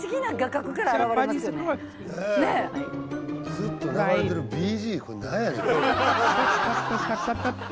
ずっと流れてるＢＧＭこれなんやねん。